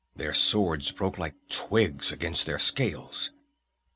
Their swords broke like twigs against their scales!"